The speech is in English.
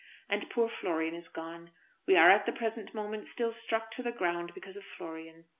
And poor Florian is gone. We are at the present moment still struck to the ground because of Florian.